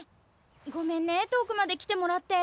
ごめんね遠くまで来てもらって。